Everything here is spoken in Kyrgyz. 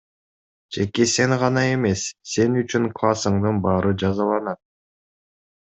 Жеке сен гана эмес, сен үчүн классыңдын баары жазаланат.